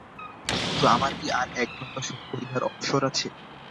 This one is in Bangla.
কিন্তু আমার কি আর একদণ্ড শোক করিবার অবসর আছে।